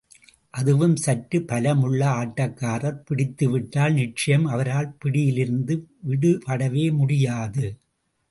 அதுவும் சற்று பலம் உள்ள ஆட்டக்காரர் பிடித்துவிட்டால், நிச்சயம் அவரால் பிடியிலிருந்து விடுபடவே முடியாது.